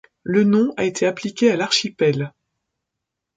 Le nom a été appliqué à l'archipel.